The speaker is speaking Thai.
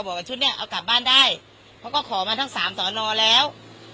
ว่าชุดนี้เอากลับบ้านได้เขาก็ขอมาทั้งสามสอนอแล้ว